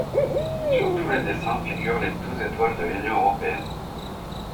Sur tous les dessins figurent les douze étoiles de l'Union européenne.